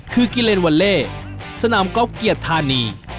คือกิเลนวาเล่สนามก๊อฟเกียรติธานี